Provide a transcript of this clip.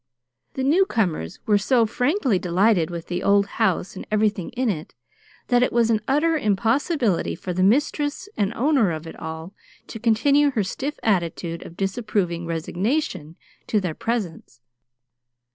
The newcomers were so frankly delighted with the old house and everything in it, that it was an utter impossibility for the mistress and owner of it all to continue her stiff attitude of disapproving resignation to their presence.